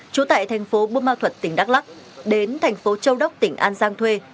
trú tại thành phố bưu ma thuật tỉnh đắk lắc đến thành phố châu đốc tỉnh an giang thuê